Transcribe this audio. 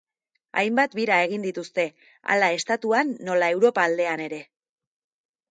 Hainbat bira egin dituzte, hala estatuan nola Europa aldean ere.